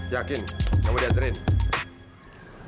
yakin kamu diantarin